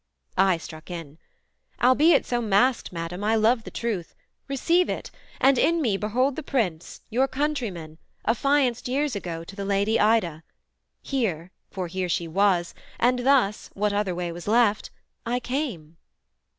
I struck in: 'Albeit so masked, Madam, I love the truth; Receive it; and in me behold the Prince Your countryman, affianced years ago To the Lady Ida: here, for here she was, And thus (what other way was left) I came.'